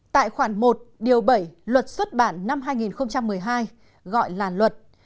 tại khoản một điều bảy luật xuất bản năm hai nghìn một mươi hai gọi là luật